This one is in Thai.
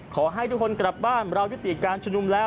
ขอให้ทุกคนกลับบ้านเรายุติการชุมนุมแล้ว